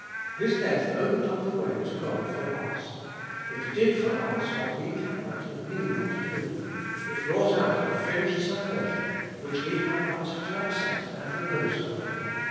His death opened up the way to God for us. It did for us what we cannot and need not do ; it wrought out a finished salvation, which we have but to accept and repose upon.